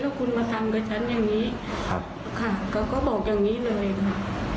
ถ้าคุณมาทำกับฉันอย่างนี้ครับค่ะเขาก็บอกอย่างนี้เลยค่ะ